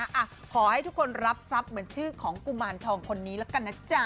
อ่ะขอให้ทุกคนรับทรัพย์เหมือนชื่อของกุมารทองคนนี้แล้วกันนะจ๊ะ